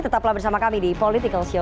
tetaplah bersama kami di political show